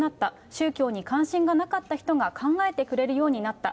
宗教に関心がなかった人が考えてくれるようになった。